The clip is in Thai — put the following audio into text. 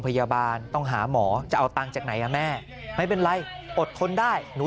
พยาบาลต้องหาหมอจะเอาตังค์จากไหนแม่ไม่เป็นไรอดทนได้หนู